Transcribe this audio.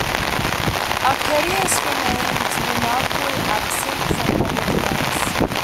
Arcadius remained remarkably absent from public events.